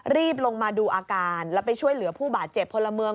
รีบลงมาดูอาการแล้วไปช่วยเหลือผู้บาดเจ็บพลเมือง